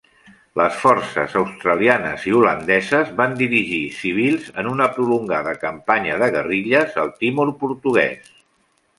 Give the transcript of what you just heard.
Les forces australianes i holandeses van dirigir civils en una prolongada campanya de guerrilles al Timor portuguès.